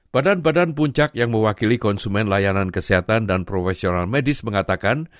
badan badan puncak yang mewakili konsumen layanan kesehatan dan profesional medis mengatakan